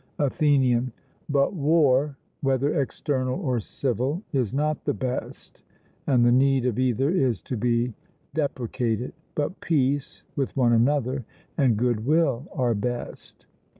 ATHENIAN: But war, whether external or civil, is not the best, and the need of either is to be deprecated; but peace with one another, and good will, are best.